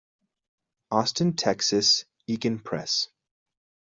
Austin, Texas, Eakin Press.